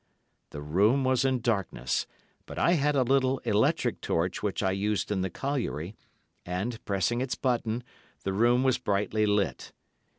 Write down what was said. The room was in darkness, but I had a little electric torch which I used in the colliery, and, pressing its button, the room was brightly lit.